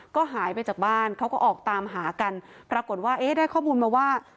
ก็หายไปจากบ้านเขาก็ออกตามหากันปรากฏว่าเอ๊ะได้ข้อมูลมาว่า